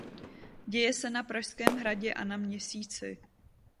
Děje se na Pražském hradě a na Měsíci.